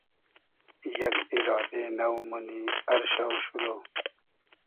یئگ ایرادې نۆ مونی ار شۆ شورۉ